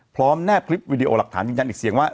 พร้อมแนบคลิปวิดีโอหลักฐานจริงอีกเสียงว่า